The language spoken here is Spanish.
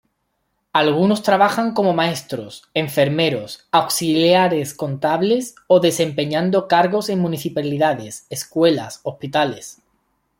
Algunos trabajan como maestros, enfermeros, auxiliares contables, o desempeñando cargos en municipalidades, escuelas, hospitales.